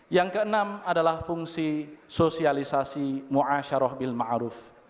yang keenam adalah fungsi sosialisasi mu'asyaruh bil ma'ruf